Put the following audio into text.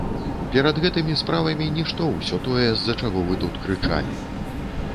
Перад гэтымі справамі нішто ўсё тое, з-за чаго вы тут крычалі.